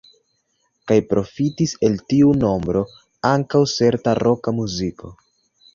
Kaj profitis el tiu nombro ankaŭ certa roka muziko.